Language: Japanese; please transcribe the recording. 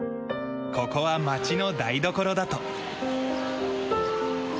ここは町の台所だと。